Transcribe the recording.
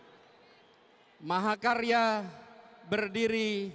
hai mahakarya berdiri